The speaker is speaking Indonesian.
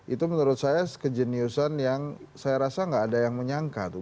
itu menurut saya kejeniusan yang saya rasa nggak ada yang menyangka tuh